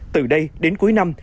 từ đây đến cuối năm